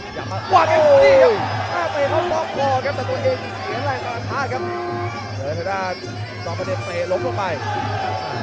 โอ้โหนี่ยังน่าเตรียมเข้าพร่อมพอครับแต่ตัวเองเสียร่างต่ออันท่าครับ